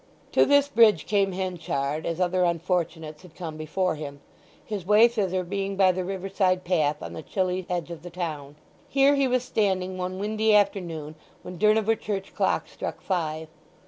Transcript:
To this bridge came Henchard, as other unfortunates had come before him, his way thither being by the riverside path on the chilly edge of the town. Here he was standing one windy afternoon when Durnover church clock struck five.